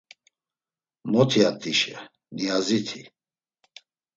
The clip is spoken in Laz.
“Mot̆iat̆işe!” Niyaziti.